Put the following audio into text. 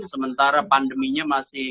sementara pandeminya masih